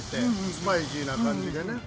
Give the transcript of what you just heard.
スパイシーな感じでね。